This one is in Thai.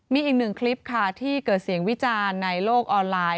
มีอีกหนึ่งคลิปค่ะที่เกิดเสียงวิจารณ์ในโลกออนไลน์